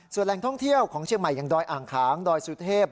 ส่วนแหล่งท่องเที่ยวของเชียงใหม่อย่างดอยอ่างขางดอยสุเทพ